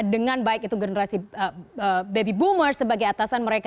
dengan baik itu generasi baby boomers sebagai atasan mereka